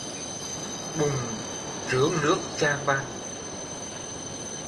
Bụng trướng nước chàng bàng